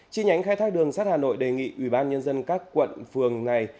chi nhánh khai thác đường sắt hà nội đề nghị ubnd các quận phường này